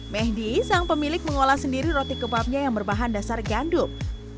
mehdi sang pemilik mengolah sendiri roti kebabnya yang berbahan dasar gandum